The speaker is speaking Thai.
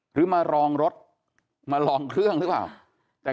หรือมาลองรถมาลองเครื่องหรือเปล่า